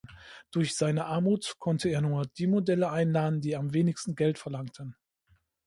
Durch seine Armut konnte er nur die Modelle einladen, die am wenigsten Geld verlangten.